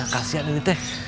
kasihan nih teh